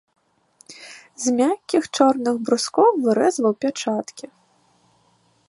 З мяккіх чорных брускоў вырэзваў пячаткі.